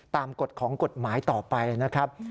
กฎของกฎหมายต่อไปนะครับ